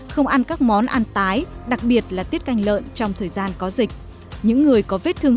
không ăn các món ăn tái đặc biệt là tiết canh lợn trong thời gian có dịch những người có vết thương